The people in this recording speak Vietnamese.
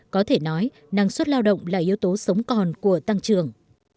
có thể nói năng suất lao động là yếu tố sống còn của tăng trưởng